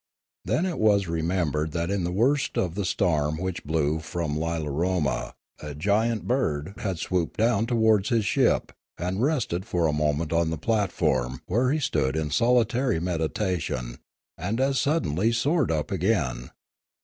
Then it was remembered that in the worst of the storm which blew from L,ilaroma a giant bird had swooped down towards his ship and rested for a moment on the platform, where he stood in solitary meditation, and as suddenly soared up again.